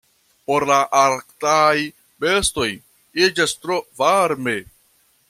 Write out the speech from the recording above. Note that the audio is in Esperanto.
Por la arktaj bestoj iĝas tro varme.